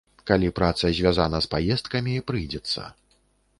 Калі праца звязана з паездкамі, прыйдзецца.